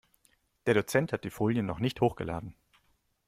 Der Dozent hat die Folien noch nicht hochgeladen.